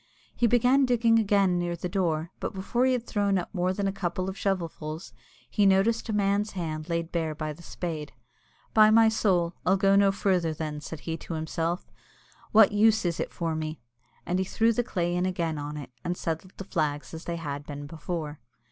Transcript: He began digging again near the door, but before he had thrown up more than a couple of shovelfuls, he noticed a man's hand laid bare by the spade. "By my soul, I'll go no further, then," said he to himself; "what use is it for me?" And he threw the clay in again on it, and settled the flags as they had been before.